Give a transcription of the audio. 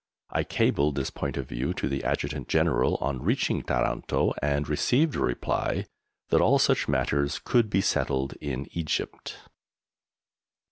I cabled this point of view to the Adjutant General on reaching Taranto and received a reply that all such matters could be settled in Egypt.